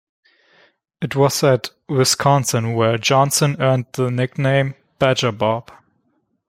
It was at Wisconsin where Johnson earned the nickname, Badger Bob.